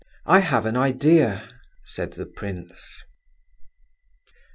I have an idea," said the prince.